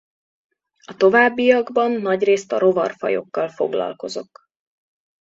A továbbiakban nagyrészt a rovarfajokkal foglalkozok.